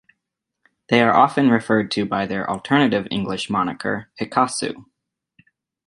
They are often referred to by their alternative English moniker, Hikasu.